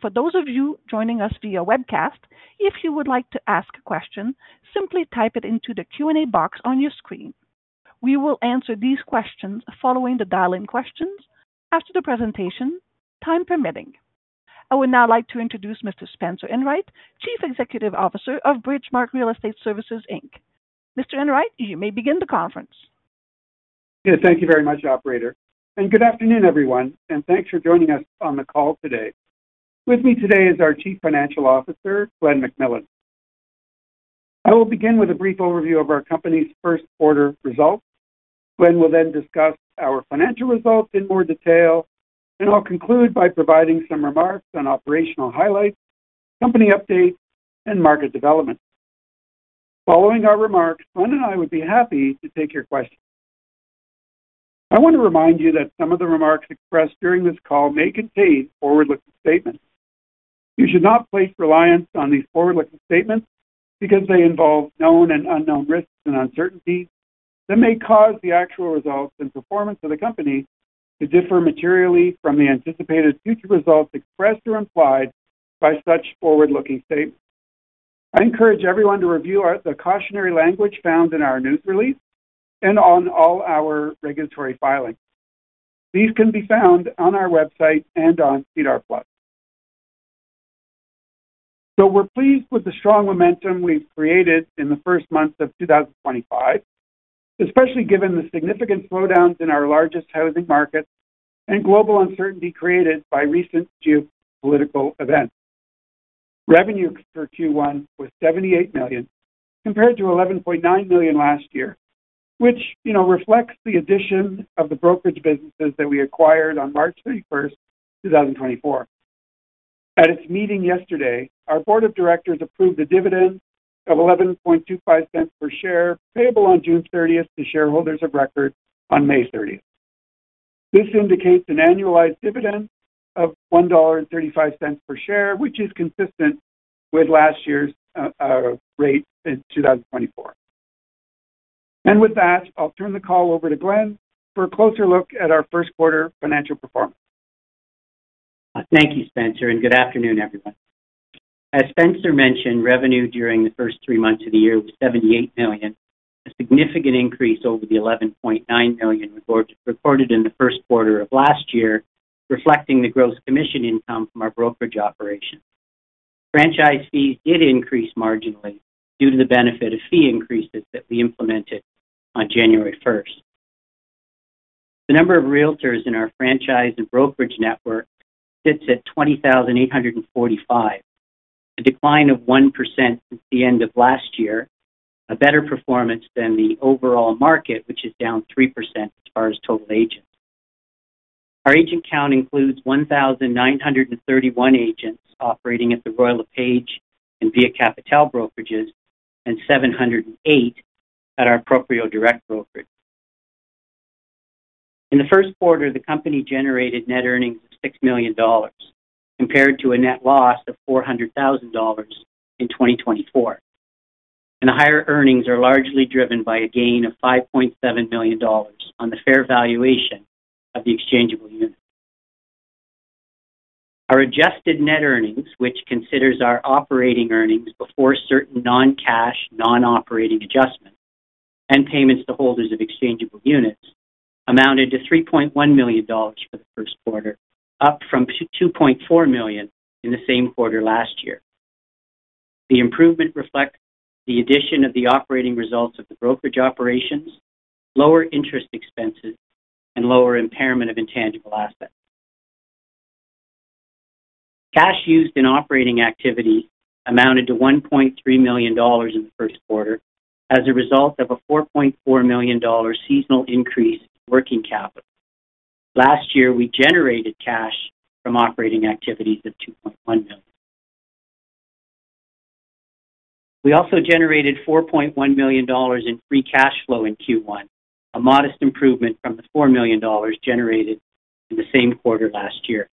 For those of you joining us via webcast, if you would like to ask a question, simply type it into the Q&A box on your screen. We will answer these questions following the dial-in questions after the presentation, time permitting. I would now like to introduce Mr. Spencer Enright, Chief Executive Officer of Bridgemarq Real Estate Services Inc. Mr. Enright, you may begin the conference. Okay, thank you very much, Operator. Good afternoon, everyone, and thanks for joining us on the call today. With me today is our Chief Financial Officer, Glen McMillan. I will begin with a brief overview of our company's first quarter results. Glen will then discuss our financial results in more detail, and I'll conclude by providing some remarks on operational highlights, company updates, and market developments. Following our remarks, Glen and I would be happy to take your questions. I want to remind you that some of the remarks expressed during this call may contain forward-looking statements. You should not place reliance on these forward-looking statements because they involve known and unknown risks and uncertainties that may cause the actual results and performance of the company to differ materially from the anticipated future results expressed or implied by such forward-looking statements. I encourage everyone to review the cautionary language found in our news release and on all our regulatory filings. These can be found on our website and on SEDAR+. We are pleased with the strong momentum we have created in the first month of 2025, especially given the significant slowdowns in our largest housing market and global uncertainty created by recent geopolitical events. Revenue for Q1 was 78 million, compared to 11.9 million last year, which reflects the addition of the brokerage businesses that we acquired on March 31st, 2024. At its meeting yesterday, our Board of Directors approved a dividend of 11.25 per share payable on June 30th to shareholders of record on May 30th. This indicates an annualized dividend of 1.35 dollar per share, which is consistent with last year's rate in 2024. With that, I'll turn the call over to Glen for a closer look at our first quarter financial performance. Thank you, Spencer, and good afternoon, everyone. As Spencer mentioned, revenue during the first three months of the year was 78 million, a significant increase over the 11.9 million recorded in the first quarter of last year, reflecting the gross commission income from our brokerage operations. Franchise fees did increase marginally due to the benefit of fee increases that we implemented on January 1st. The number of realtors in our franchise and brokerage network sits at 20,845, a decline of 1% since the end of last year, a better performance than the overall market, which is down 3% as far as total agents. Our agent count includes 1,931 agents operating at the Royal LePage and Via Capitale brokerages, and 708 at our Proprio Direct brokerage. In the first quarter, the company generated net earnings of 6 million dollars, compared to a net loss of 400,000 dollars in 2024. The higher earnings are largely driven by a gain of 5.7 million dollars on the fair valuation of the exchangeable units. Our adjusted net earnings, which considers our operating earnings before certain non-cash, non-operating adjustments and payments to holders of exchangeable units, amounted to 3.1 million dollars for the first quarter, up from 2.4 million in the same quarter last year. The improvement reflects the addition of the operating results of the brokerage operations, lower interest expenses, and lower impairment of intangible assets. Cash used in operating activity amounted to 1.3 million dollars in the first quarter as a result of a 4.4 million dollar seasonal increase in working capital. Last year, we generated cash from operating activities of 2.1 million. We also generated 4.1 million dollars in free cash flow in Q1, a modest improvement from the 4 million dollars generated in the same quarter last year.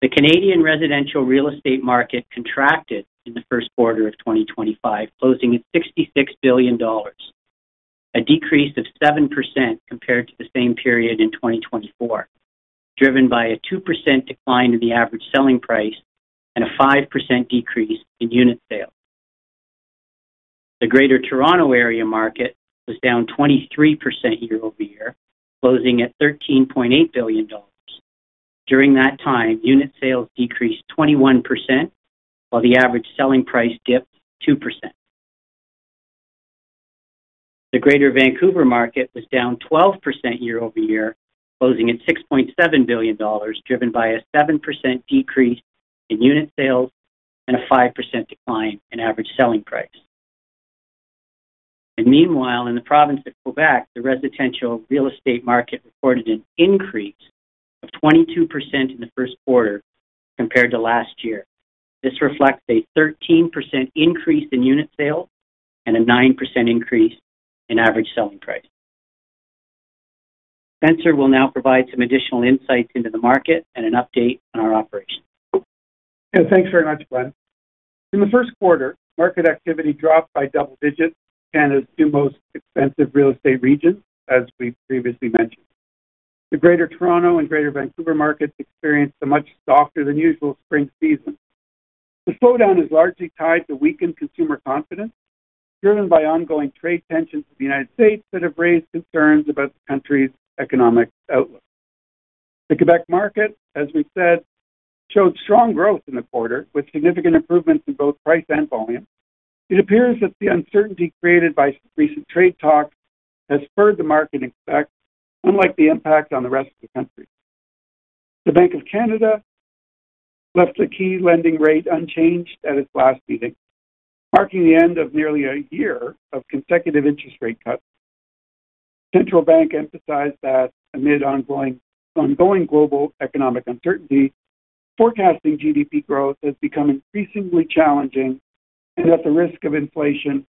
The Canadian residential real estate market contracted in the first quarter of 2025, closing at 66 billion dollars, a decrease of 7% compared to the same period in 2024, driven by a 2% decline in the average selling price and a 5% decrease in unit sales. The Greater Toronto Area market was down 23% year-over-year, closing at 13.8 billion dollars. During that time, unit sales decreased 21%, while the average selling price dipped 2%. The Greater Vancouver market was down 12% year-over-year, closing at 6.7 billion dollars, driven by a 7% decrease in unit sales and a 5% decline in average selling price. Meanwhile, in the province of Quebec, the residential real estate market reported an increase of 22% in the first quarter compared to last year. This reflects a 13% increase in unit sales and a 9% increase in average selling price. Spencer will now provide some additional insights into the market and an update on our operations. Yeah, thanks very much, Glen. In the first quarter, market activity dropped by double-digits and is the most expensive real estate region, as we previously mentioned. The Greater Toronto and Greater Vancouver markets experienced a much softer than usual spring season. The slowdown is largely tied to weakened consumer confidence, driven by ongoing trade tensions with the United States that have raised concerns about the country's economic outlook. The Quebec market, as we've said, showed strong growth in the quarter, with significant improvements in both price and volume. It appears that the uncertainty created by recent trade talks has spurred the market in Quebec, unlike the impact on the rest of the country. The Bank of Canada left the key lending rate unchanged at its last meeting, marking the end of nearly a year of consecutive interest rate cuts. The central bank emphasized that amid ongoing global economic uncertainty, forecasting GDP growth has become increasingly challenging and that the risk of inflation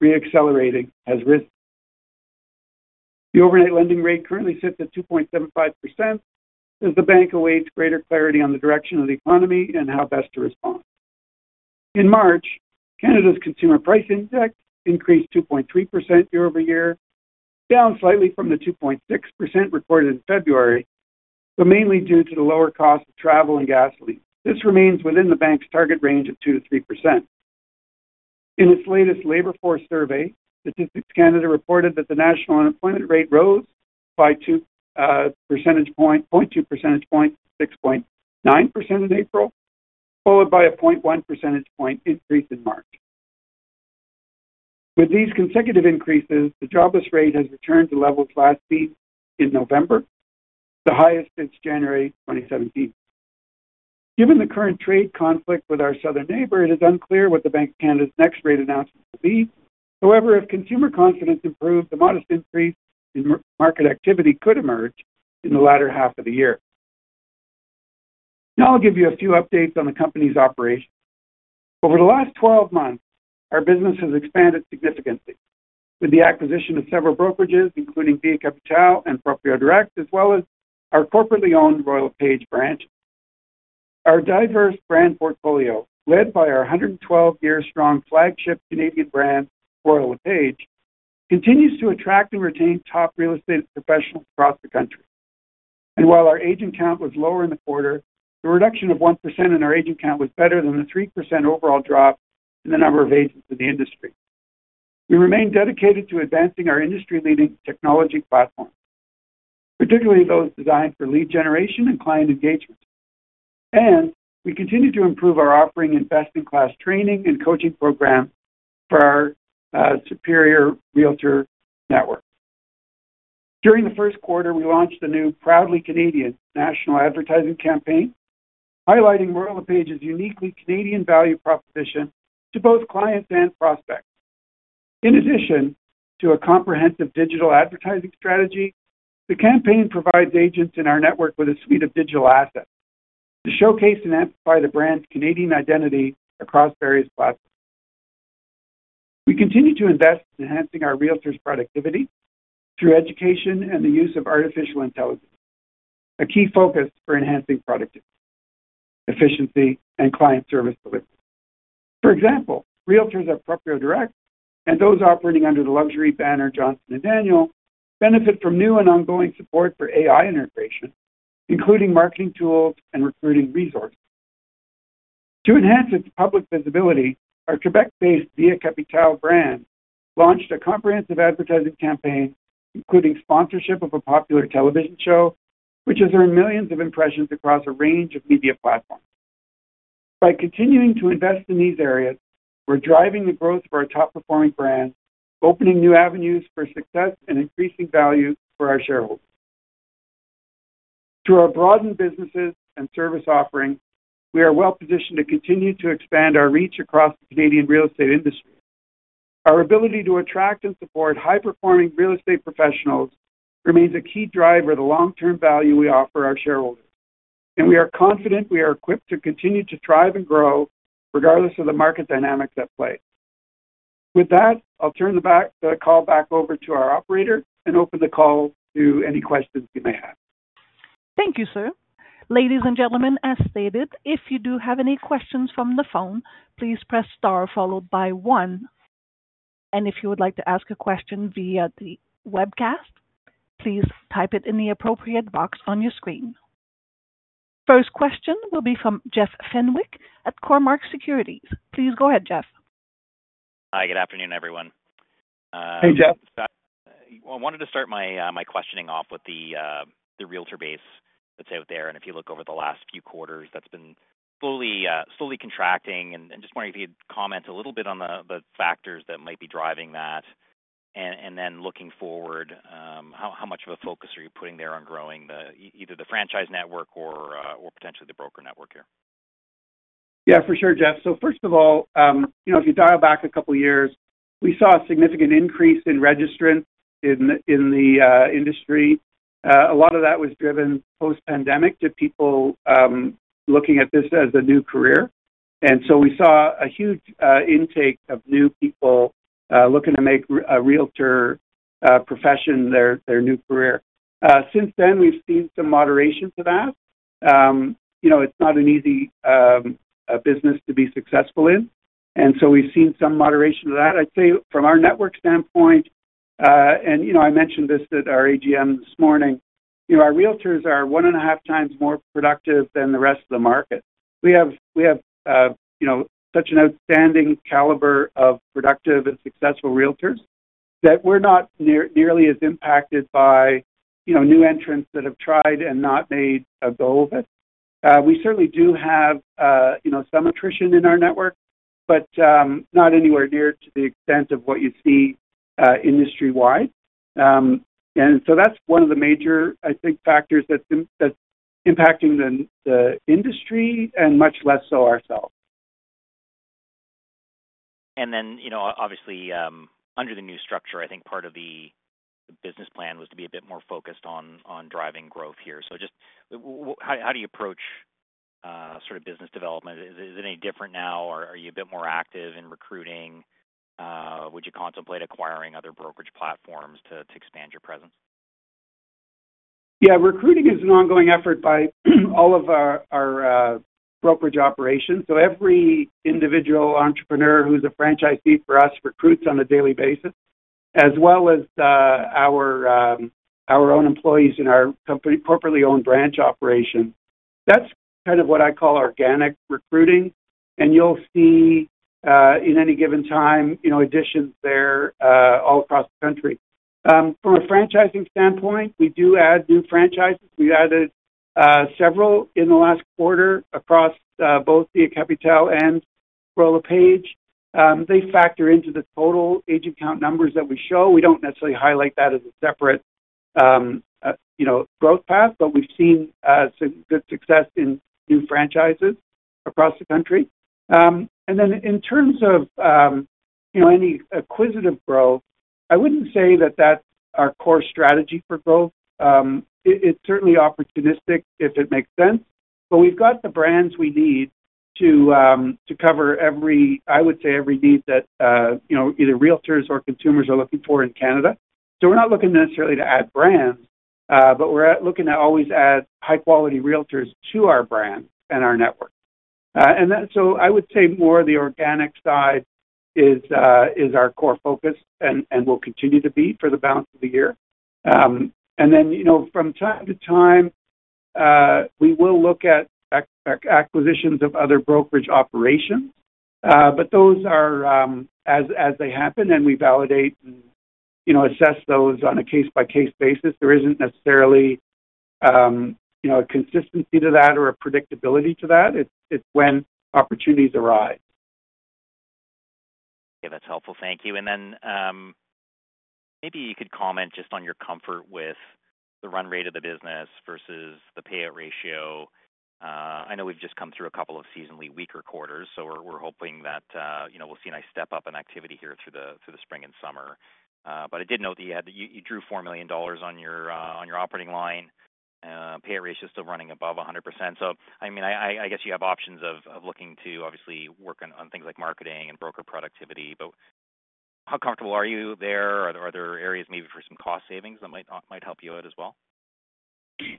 re-accelerating has risen. The overnight lending rate currently sits at 2.75%, as the bank awaits greater clarity on the direction of the economy and how best to respond. In March, Canada's Consumer Price Index increased 2.3% year-over-year, down slightly from the 2.6% recorded in February, but mainly due to the lower cost of travel and gasoline. This remains within the bank's target range of 2%-3%. In its latest labor force survey, Statistics Canada reported that the national unemployment rate rose by 0.2 percentage points to 6.9% in April, followed by a 0.1 percentage point increase in March. With these consecutive increases, the jobless rate has returned to levels last seen in November, the highest since January 2017. Given the current trade conflict with our southern neighbor, it is unclear what the Bank of Canada's next rate announcement will be. However, if consumer confidence improves, a modest increase in market activity could emerge in the latter half of the year. Now I'll give you a few updates on the company's operations. Over the last 12 months, our business has expanded significantly, with the acquisition of several brokerages, including Via Capitale and Proprio Direct, as well as our corporately owned Royal LePage branch. Our diverse brand portfolio, led by our 112-year-strong flagship Canadian brand, Royal LePage, continues to attract and retain top real estate professionals across the country. While our agent count was lower in the quarter, the reduction of 1% in our agent count was better than the 3% overall drop in the number of agents in the industry. We remain dedicated to advancing our industry-leading technology platforms, particularly those designed for lead generation and client engagement. We continue to improve our offering and best-in-class training and coaching programs for our superior realtor network. During the first quarter, we launched the new Proudly Canadian national advertising campaign, highlighting Royal LePage's uniquely Canadian value proposition to both clients and prospects. In addition to a comprehensive digital advertising strategy, the campaign provides agents in our network with a suite of digital assets to showcase and amplify the brand's Canadian identity across various platforms. We continue to invest in enhancing our realtors' productivity through education and the use of artificial intelligence, a key focus for enhancing productivity, efficiency, and client service delivery. For example, realtors at Proprio Direct and those operating under the luxury banner Johnston & Daniel benefit from new and ongoing support for AI integration, including marketing tools and recruiting resources. To enhance its public visibility, our Quebec-based Via Capitale brand launched a comprehensive advertising campaign, including sponsorship of a popular television show, which has earned millions of impressions across a range of media platforms. By continuing to invest in these areas, we're driving the growth of our top-performing brand, opening new avenues for success and increasing value for our shareholders. Through our broadened businesses and service offering, we are well-positioned to continue to expand our reach across the Canadian real estate industry. Our ability to attract and support high-performing real estate professionals remains a key driver of the long-term value we offer our shareholders. We are confident we are equipped to continue to thrive and grow regardless of the market dynamics at play. With that, I'll turn the call back over to our Operator and open the call to any questions you may have. Thank you, sir. Ladies and gentlemen, as stated, if you do have any questions from the phone, please press star followed by one. If you would like to ask a question via the webcast, please type it in the appropriate box on your screen. First question will be from Jeff Fenwick at Cormark Securities. Please go ahead, Jeff. Hi, good afternoon, everyone. Hey, Jeff. I wanted to start my questioning off with the realtor base that's out there. If you look over the last few quarters, that's been slowly contracting. I just wanted to give you comments a little bit on the factors that might be driving that. Then looking forward, how much of a focus are you putting there on growing either the franchise network or potentially the broker network here? Yeah, for sure, Jeff. First of all, if you dial back a couple of years, we saw a significant increase in registrants in the industry. A lot of that was driven post-pandemic to people looking at this as a new career. We saw a huge intake of new people looking to make a realtor profession their new career. Since then, we've seen some moderation to that. It's not an easy business to be successful in. We've seen some moderation to that. I'd say from our network standpoint, and I mentioned this at our AGM this morning, our realtors are one and a half times more productive than the rest of the market. We have such an outstanding caliber of productive and successful realtors that we're not nearly as impacted by new entrants that have tried and not made a go of it. We certainly do have some attrition in our network, but not anywhere near to the extent of what you see industry-wide. That is one of the major, I think, factors that's impacting the industry and much less so ourselves. Obviously, under the new structure, I think part of the business plan was to be a bit more focused on driving growth here. Just how do you approach sort of business development? Is it any different now? Are you a bit more active in recruiting? Would you contemplate acquiring other brokerage platforms to expand your presence? Yeah, recruiting is an ongoing effort by all of our brokerage operations. Every individual entrepreneur who's a franchisee for us recruits on a daily basis, as well as our own employees in our corporately owned branch operation. That's kind of what I call organic recruiting. You'll see at any given time additions there all across the country. From a franchising standpoint, we do add new franchises. We added several in the last quarter across both Via Capitale and Royal LePage. They factor into the total agent count numbers that we show. We don't necessarily highlight that as a separate growth path, but we've seen some good success in new franchises across the country. In terms of any acquisitive growth, I wouldn't say that that's our core strategy for growth. It's certainly opportunistic if it makes sense. We have the brands we need to cover every, I would say, every need that either realtors or consumers are looking for in Canada. We are not looking necessarily to add brands, but we are looking to always add high-quality realtors to our brand and our network. I would say more of the organic side is our core focus and will continue to be for the balance of the year. From time to time, we will look at acquisitions of other brokerage operations. Those are as they happen, and we validate and assess those on a case-by-case basis. There is not necessarily a consistency to that or a predictability to that. It is when opportunities arise. Yeah, that's helpful. Thank you. Maybe you could comment just on your comfort with the run rate of the business versus the payout ratio. I know we've just come through a couple of seasonally weaker quarters, so we're hoping that we'll see a nice step up in activity here through the spring and summer. I did note that you drew 4 million dollars on your operating line. Payout ratio is still running above 100%. I mean, I guess you have options of looking to obviously work on things like marketing and broker productivity. How comfortable are you there? Are there areas maybe for some cost savings that might help you out as well?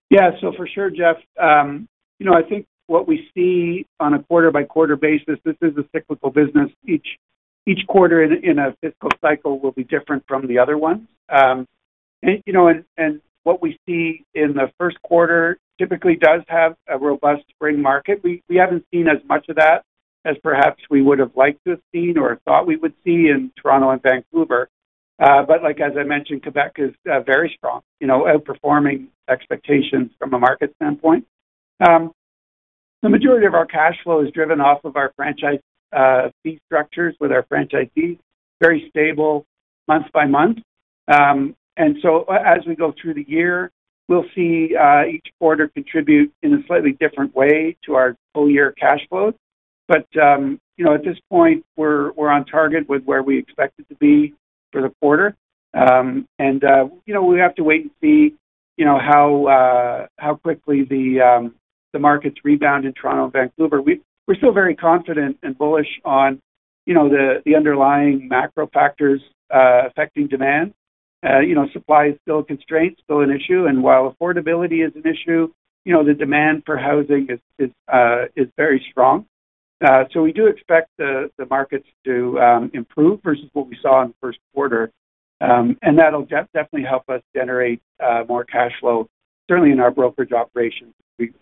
Yeah, so for sure, Jeff. I think what we see on a quarter-by-quarter basis, this is a cyclical business. Each quarter in a fiscal cycle will be different from the other ones. What we see in the first quarter typically does have a robust spring market. We have not seen as much of that as perhaps we would have liked to have seen or thought we would see in Toronto and Vancouver. As I mentioned, Quebec is very strong, outperforming expectations from a market standpoint. The majority of our cash flow is driven off of our franchise fee structures with our franchisees, very stable month by month. As we go through the year, we will see each quarter contribute in a slightly different way to our full-year cash flows. At this point, we are on target with where we expect it to be for the quarter. We have to wait and see how quickly the markets rebound in Toronto and Vancouver. We are still very confident and bullish on the underlying macro factors affecting demand. Supply is still a constraint, still an issue. While affordability is an issue, the demand for housing is very strong. We do expect the markets to improve versus what we saw in the first quarter. That will definitely help us generate more cash flow, certainly in our brokerage operations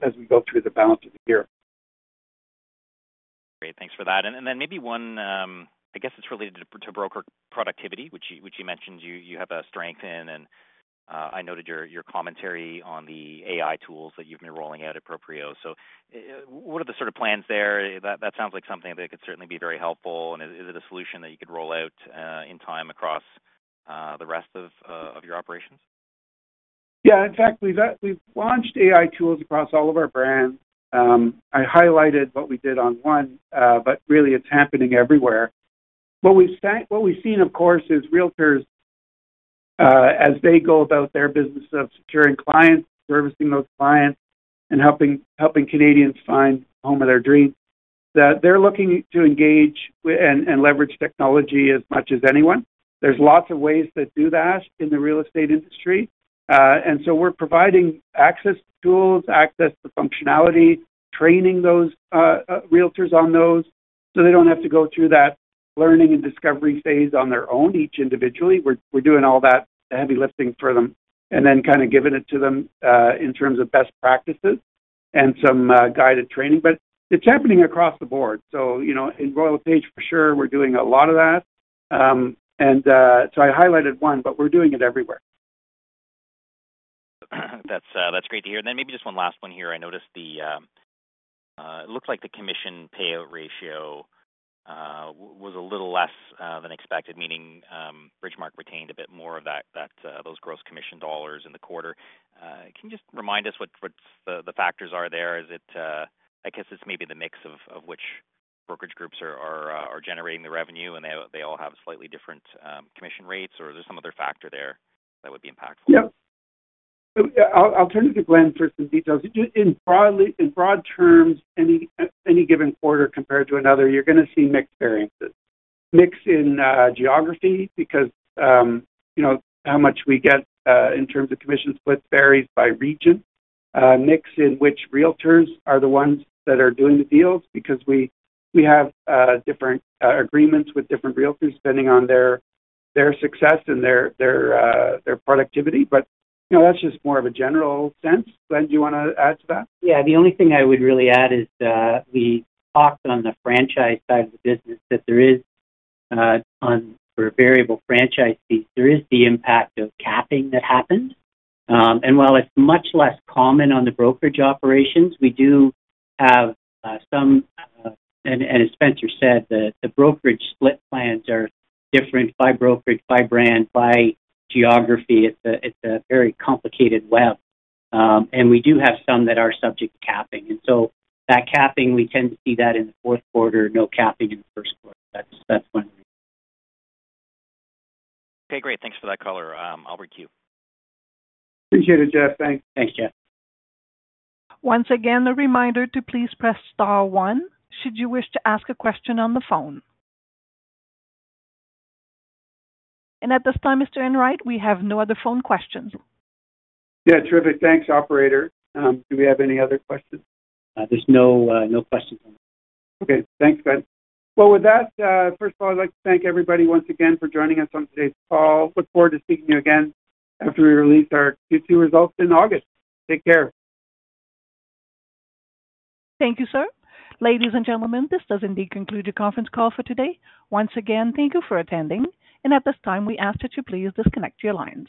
as we go through the balance of the year. Great. Thanks for that. Maybe one, I guess it's related to broker productivity, which you mentioned you have a strength in. I noted your commentary on the AI tools that you've been rolling out at Proprio. What are the sort of plans there? That sounds like something that could certainly be very helpful. Is it a solution that you could roll out in time across the rest of your operations? Yeah. In fact, we've launched AI tools across all of our brands. I highlighted what we did on one, but really it's happening everywhere. What we've seen, of course, is realtors, as they go about their business of securing clients, servicing those clients, and helping Canadians find home of their dreams, they're looking to engage and leverage technology as much as anyone. There's lots of ways to do that in the real estate industry. We're providing access tools, access to functionality, training those realtors on those so they don't have to go through that learning and discovery phase on their own each individually. We're doing all that heavy lifting for them and then kind of giving it to them in terms of best practices and some guided training. It's happening across the board. In Royal LePage, for sure, we're doing a lot of that. I highlighted one, but we're doing it everywhere. That's great to hear. Maybe just one last one here. I noticed it looks like the commission payout ratio was a little less than expected, meaning Bridgemarq retained a bit more of those gross commission dollars in the quarter. Can you just remind us what the factors are there? I guess it's maybe the mix of which brokerage groups are generating the revenue, and they all have slightly different commission rates. Is there some other factor there that would be impactful? Yeah. I'll turn to Glen for some details. In broad terms, any given quarter compared to another, you're going to see mixed variances. Mix in geography because how much we get in terms of commission splits varies by region. Mix in which realtors are the ones that are doing the deals because we have different agreements with different realtors depending on their success and their productivity. That's just more of a general sense. Glen, do you want to add to that? Yeah. The only thing I would really add is we talked on the franchise side of the business that there is, for variable franchisees, there is the impact of capping that happens. While it is much less common on the brokerage operations, we do have some—as Spencer said, the brokerage split plans are different by brokerage, by brand, by geography. It is a very complicated web. We do have some that are subject to capping. That capping, we tend to see that in the fourth quarter, no capping in the first quarter. That is one reason. Okay. Great. Thanks for that, Color. I'll read to you. Appreciate it, Jeff. Thanks. Thanks, Jeff. Once again, the reminder to please press star one should you wish to ask a question on the phone. At this time, Mr. Enright, we have no other phone questions. Yeah. Terrific. Thanks, Operator. Do we have any other questions? There's no questions. Okay. Thanks, Glen. First of all, I'd like to thank everybody once again for joining us on today's call. Look forward to seeing you again after we release our Q2 results in August. Take care. Thank you, sir. Ladies and gentlemen, this does indeed conclude the conference call for today. Once again, thank you for attending. At this time, we ask that you please disconnect your lines.